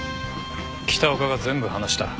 北岡が全部話した。